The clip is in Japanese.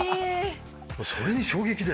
それに衝撃で。